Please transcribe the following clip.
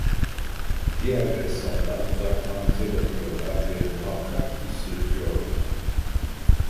Diğer ressamlar uzaktan bize bakıyorlar ve muhakkak ki sırıtıyorlardı.